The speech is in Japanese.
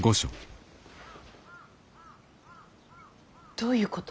どういうこと。